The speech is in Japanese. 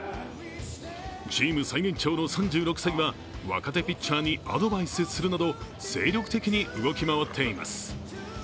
チーム最年長の３６歳は若手ピッチャーにアドバイスするなど精力的に動き回っています。